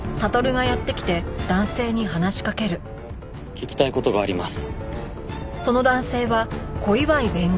聞きたい事があります。